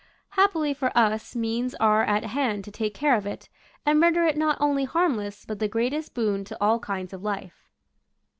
Happily for us means are at hand to take care of it, and render it not only harmless but the greatest boon to all kinds of life.